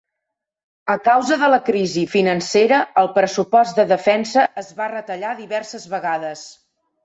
A causa de la crisi financera, el pressupost de defensa es va retallar diverses vegades.